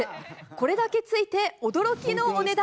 これだけついて驚きのお値段。